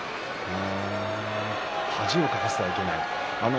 恥をかかせてはいけない。